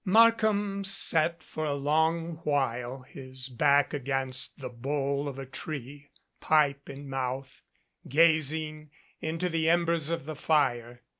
Markham sat for a long while, his back against the bole of a tree, pipe in mouth, gazing into the embers of the fire.